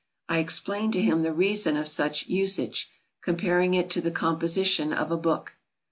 I explained to him the reason of such usage, comparing it to the composition of a book.